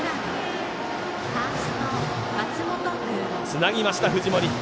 つなぎました、藤森。